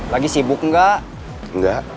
lagi sibuk gak